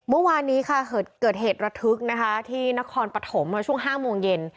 เมื่อวานนี้ค่ะเกิดเหตุระทึกนะคะที่นครปฐมช่วง๕โมงเย็น